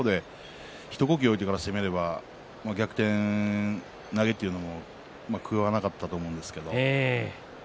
一呼吸置いてから攻めるが逆転投げというのも食わなかったと思うんですけど。